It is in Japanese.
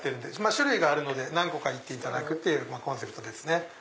種類があるので何個か行っていただくコンセプトですね。